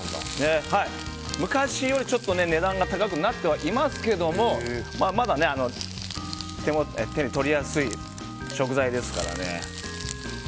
昔より、ちょっと値段が高くなってはいますけどもまだ手に取りやすい食材ですからね。